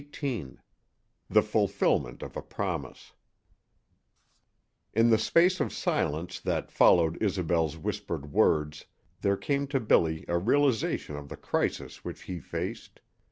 XVIII THE FULFILMENT OF A PROMISE In the space of silence that followed Isobel's whispered words there came to Billy a realization of the crisis which he faced.